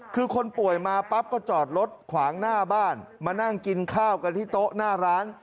คือคนป่วยมาปั๊บก็จอดรถขวางหน้าบ้านมานั่งกินข้าวกันที่โต๊ะหน้าร้าน